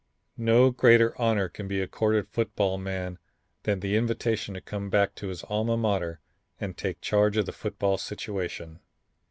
No greater honor can be accorded a football man than the invitation to come back to his Alma Mater and take charge of the football situation.